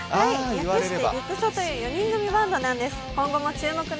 略してリュクソという４人組バントなんです。